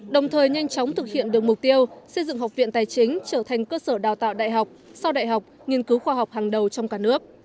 đồng thời nhanh chóng thực hiện được mục tiêu xây dựng học viện tài chính trở thành cơ sở đào tạo đại học sau đại học nghiên cứu khoa học hàng đầu trong cả nước